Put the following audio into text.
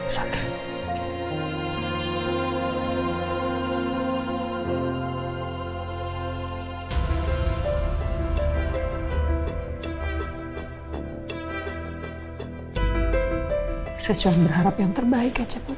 saya cuma berharap yang terbaik ya